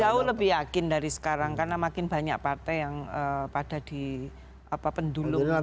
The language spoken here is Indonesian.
aku lebih yakin dari sekarang karena makin banyak partai yang pada di pendulum di kekuasaan